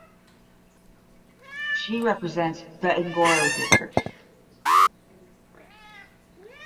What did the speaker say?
She represents the Ngora District.